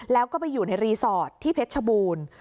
แล้วก็ไปอยู่ในรีสอร์ทที่เพชรชบูรณ์